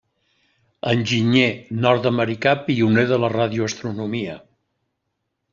Enginyer nord-americà, pioner de la radioastronomia.